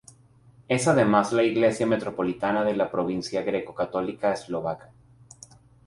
Es además la iglesia metropolitana de la provincia greco-católica eslovaca.